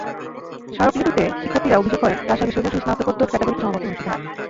স্মারকলিপিতে শিক্ষার্থীরা অভিযোগ করেন, রাজশাহী বিশ্ববিদ্যালয়ে শুধু স্নাতকোত্তর ক্যাটাগরিতে সমাবর্তন অনুষ্ঠিত হয়।